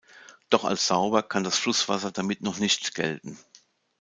Doch als sauber kann das Flusswasser damit noch nicht gelten.